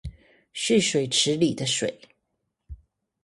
蓄水池裡的水